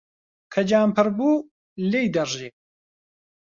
کە جام پڕ بوو، لێی دەڕژێ.